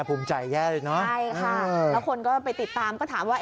ภูมิใจแย่เลยเนอะใช่ค่ะแล้วคนก็ไปติดตามก็ถามว่า